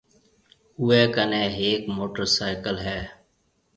اوئيَ ڪنيَ ھيَََڪ موٽرسائيڪل ھيََََ